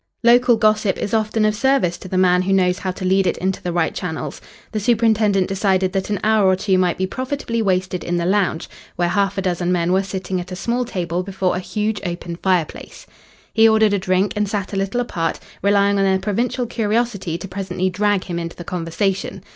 Local gossip is often of service to the man who knows how to lead it into the right channels. The superintendent decided that an hour or two might be profitably wasted in the lounge, where half a dozen men were sitting at a small table before a huge, open fireplace. He ordered a drink and sat a little apart, relying on their provincial curiosity to presently drag him into the conversation.